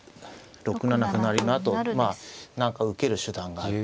６七歩成のあと何か受ける手段があると。